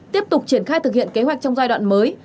tiếp tục triển khai thực hiện kế hoạch trong giai đoạn mới